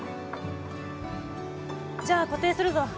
じゃあ固定するぞ。